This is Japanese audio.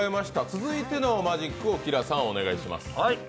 続いてのマジックをＫｉＬａさんお願いします。